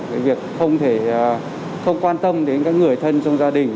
cái việc không quan tâm đến các người thân trong gia đình